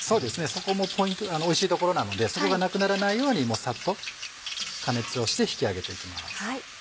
そこもおいしい所なのでそこがなくならないようにサッと加熱をして引き上げていきます。